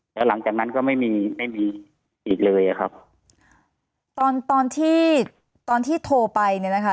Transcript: แล้วหลังจากนั้นก็ไม่มีไม่มีอีกเลยอ่ะครับตอนตอนที่ตอนที่โทรไปเนี่ยนะคะ